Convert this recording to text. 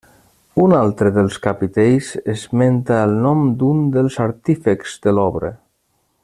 Un altre dels capitells esmenta el nom d'un dels artífexs de l'obra: